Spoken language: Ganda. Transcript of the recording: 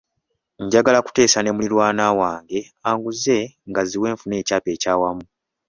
Njagala kuteesa ne muliraanwa wange anguze ngaziwe nfune ekyapa ekyawamu.